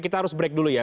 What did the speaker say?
kita harus break dulu ya